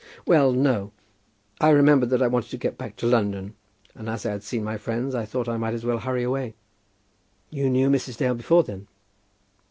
'" "Well, no. I remembered that I wanted to get back to London; and as I had seen my friends, I thought I might as well hurry away." "You knew Mrs. Dale before, then?"